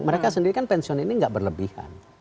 mereka sendiri kan pensiun ini gak berlebihan